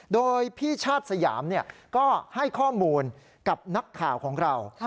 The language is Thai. โดยพี่ชาติสยามก็ให้ข้อมูลกับนักข่าวของเรา